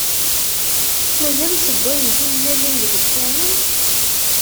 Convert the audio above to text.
Mazal ssewwayyen timellalin deg lkanun?